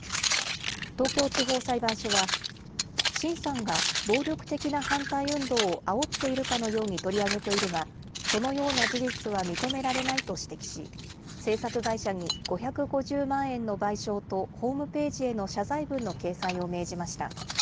東京地方裁判所は、辛さんが暴力的な反対運動をあおっているかのように取り上げているが、そのような事実は認められないと指摘し、制作会社に５５０万円の賠償とホームページへの謝罪文の掲載を命じました。